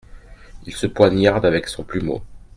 Il se poignarde avec son plumeau.